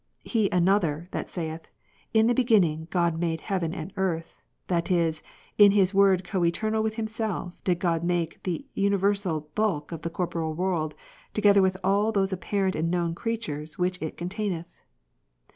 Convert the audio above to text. He another, that saith. In the Beginning God made heaven and earth ; that is, "in His Word coeternal with Himself, did God make the universal bulk of this corporeal world, together with all those apparent and known creatures, whichitcontaineth."